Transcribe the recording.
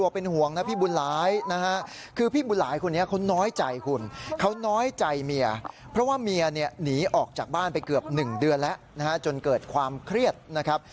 เพราะว่าเมียนี่หนีออกจากบ้านไปเกือบ๑เดือนแล้วจนเกิดความเครียดนะครับ